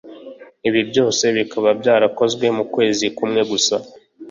ibi byose bikaba byarakozwe mu kwezi kumwe gusa